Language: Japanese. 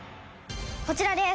こちらです。